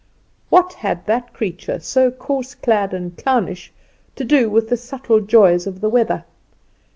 What had that creature, so coarse clad and clownish, to do with the subtle joys of the weather?